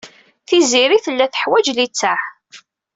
Tiziri tella teḥwaj littseɛ.